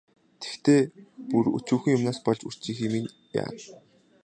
Тэгэхдээ бүр өчүүхэн юмнаас болж үрчийхийг минь яана.